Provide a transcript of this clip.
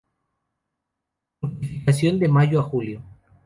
Fructificación de mayo a julio.